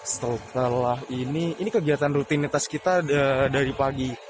setelah ini ini kegiatan rutinitas kita dari pagi